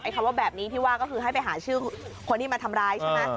คำว่าแบบนี้ที่ว่าก็คือให้ไปหาชื่อคนที่มาทำร้ายใช่ไหม